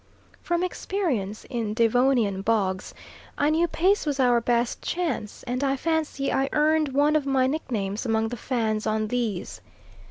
From experience in Devonian bogs, I knew pace was our best chance, and I fancy I earned one of my nicknames among the Fans on these.